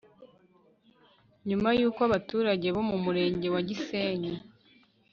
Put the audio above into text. nyuma y'uko abaturage bo mu murenge wa gisenyi